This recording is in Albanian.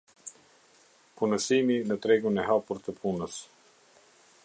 Punësimi në tregun e hapur të punës.